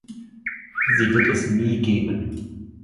Sie wird es nie geben.